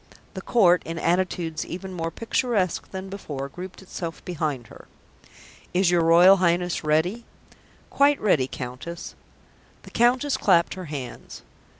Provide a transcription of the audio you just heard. The Court, in attitudes even more picturesque than before, grouped itself behind her. "Is your Royal Highness ready?" "Quite ready, Countess." The Countess clapped her hands.